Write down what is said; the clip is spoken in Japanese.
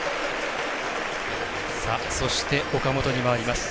そして、岡本に回ります。